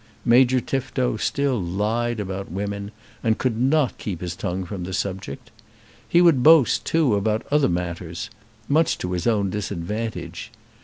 Major Tifto still lied about women, and could not keep his tongue from the subject. He would boast, too, about other matters, much to his own disadvantage.